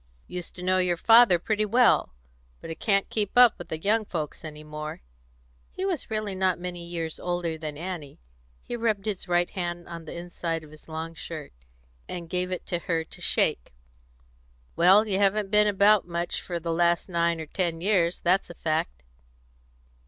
"Used to know your father pretty well; but I can't keep up with the young folks any more." He was really not many years older than Annie; he rubbed his right hand on the inside of his long shirt, and gave it her to shake. "Well, you haven't been about much for the last nine or ten years, that's a fact."